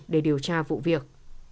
đây là vụ việc